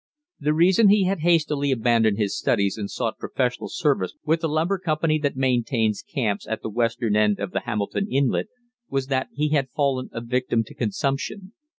The reason he had hastily abandoned his studies and sought professional service with the lumber company that maintains camps at the western end of the Hamilton Inlet was that he had fallen a victim to consumption.